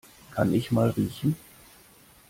Kann ich mal riechen?